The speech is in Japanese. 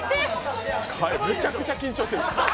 めちゃくちゃ緊張してる。